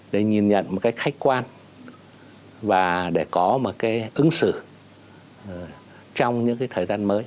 để nhìn nhận một cách khách quan và để có một cái ứng xử trong những thời gian mới